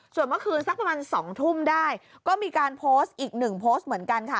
ส่วนเมื่อคืนสักประมาณ๒ทุ่มได้ก็มีการโพสต์อีกหนึ่งโพสต์เหมือนกันค่ะ